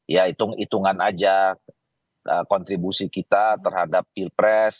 ya hitung hitungan aja kontribusi kita terhadap pilpres